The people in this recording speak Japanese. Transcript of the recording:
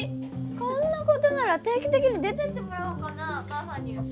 こんな事なら定期的に出てってもらおうかなママに。